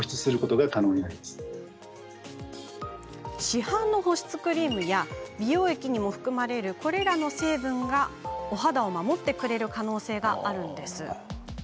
市販の保湿クリームや美容液にも含まれるこれらの成分が、お肌を守ってくれる可能性があるんです。